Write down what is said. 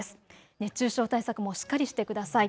熱中症対策もしっかりしてください。